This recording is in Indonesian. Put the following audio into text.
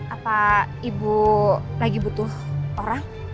apa ibu lagi butuh orang